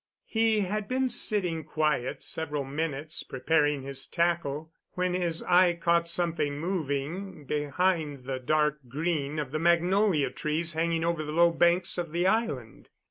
He had been sitting quiet several minutes preparing his tackle, when his eye caught something moving behind the dark green of the magnolia trees hanging over the low banks of the island.